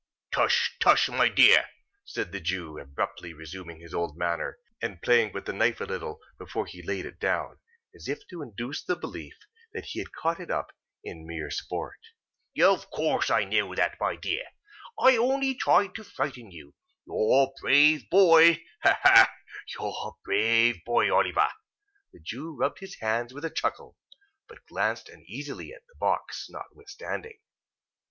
"Tush, tush, my dear!" said the Jew, abruptly resuming his old manner, and playing with the knife a little, before he laid it down; as if to induce the belief that he had caught it up, in mere sport. "Of course I know that, my dear. I only tried to frighten you. You're a brave boy. Ha! ha! you're a brave boy, Oliver." The Jew rubbed his hands with a chuckle, but glanced uneasily at the box, notwithstanding.